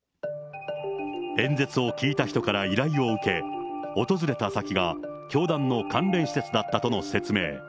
演説を聞いた人から依頼を受け、訪れた先が、教団の関連施設だったとの説明。